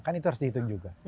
kan itu harus dihitung juga